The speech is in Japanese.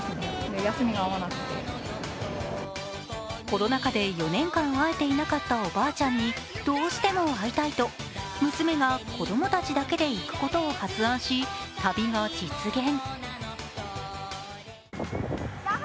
コロナ禍で４年間会えていなかったおばあちゃんにどうしても会いたいと娘が子供たちだけで行くことを発案し、旅が実現。